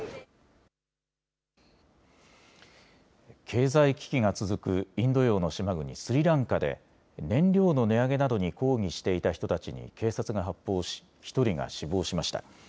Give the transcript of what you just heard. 経済危機が続くインド洋の島国スリランカで燃料の値上げなどに抗議していた人たちに警察が発砲し１人が死亡しました。